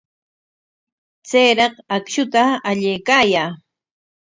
Chayraq akshuta allaykaayaa.